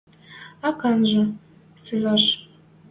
Ак анжы сӹнзӓш...